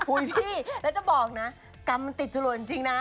พี่แล้วจะบอกนะกรรมมันติดจรวดจริงนะ